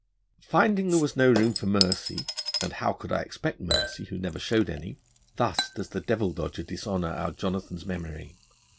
'Finding there was no room for mercy (and how could I expect mercy, who never showed any)' thus does the devil dodger dishonour our Jonathan's memory!